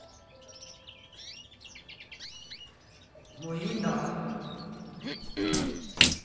もういいんだ。